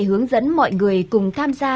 hướng dẫn mọi người cùng tham gia